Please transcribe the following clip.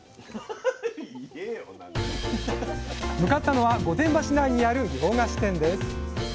向かったのは御殿場市内にある洋菓子店です